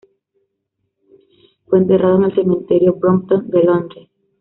Fue enterrado en el Cementerio Brompton de Londres.